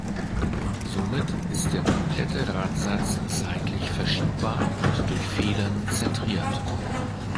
Somit ist der komplette Radsatz seitlich verschiebbar und durch Federn zentriert.